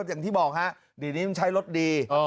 อย่างที่บอกฮะเดี๋ยวนี้มันใช้รถดี